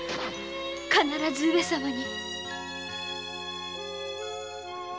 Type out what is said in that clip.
必ず上様に